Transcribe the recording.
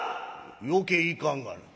「余計いかんがな」。